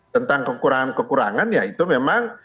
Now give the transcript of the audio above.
tentang kekurangan kekurangan ya itu memang